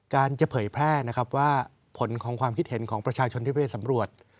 การจะเผยแพร่นะครับว่าผลของความคิดเห็นของประชาชนที่ไปสำรวจ